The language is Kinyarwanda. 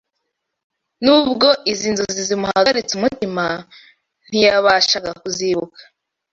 Nubwo izi nzozi zamuhagaritse umutima, ntiyabashaga kuzibuka